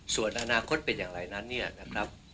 ส่วนอนาคตเป็นอย่างไรนั้นเนี่ยนะครับ